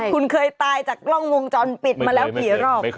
คุณเคยตายจากกล้องวงจรปิดมาแล้วกี่รอบ